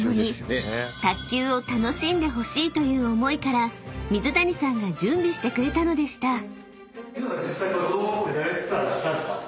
卓球を楽しんでほしいという思いから水谷さんが準備してくれたのでした］